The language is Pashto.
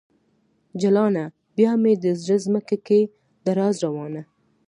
جلانه ! بیا مې د زړه ځمکه کې درزا روانه